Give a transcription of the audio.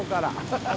ハハハハ。